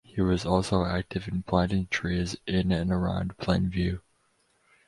He was also active in planting trees in and around Plainview.